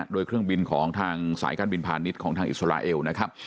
โดยเครื่องบินของทางสายการบินพาณิชย์ของทางอิสราเอลนะครับ